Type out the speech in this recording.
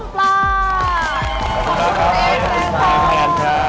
ขอบคุณครับครับเจนแมนค่ะ